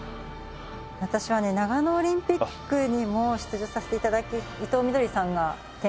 私はね長野オリンピックにも出場させて頂き伊藤みどりさんが点火された。